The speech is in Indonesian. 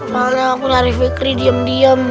malah aku lari fikri diem diem